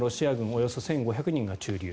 およそ１５００人が駐留。